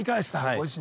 ご自身の。